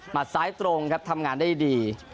ซ้ายตรงครับทำงานได้ดี